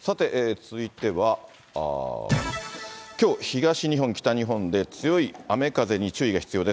さて、続いては、きょう東日本、北日本で強い雨風に注意が必要です。